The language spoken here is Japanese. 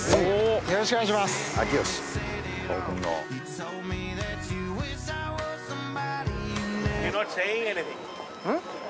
よろしくお願いしますうん？